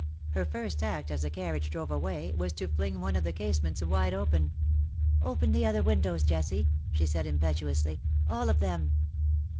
Her first act as the carriage drove away was to fling one of the casements wide open. " Open the other windows, Jessie," she said im petuously ;'^ all of them.".